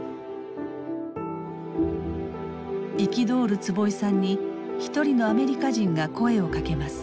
憤る坪井さんに一人のアメリカ人が声をかけます。